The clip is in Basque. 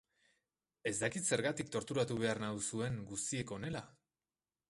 Ez dakit zergatik torturatu behar nauzuen guztiek honela?